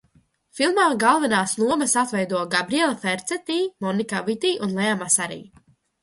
Filmā galvenās lomas atveido Gabriēle Ferceti, Monika Viti un Lea Masāri.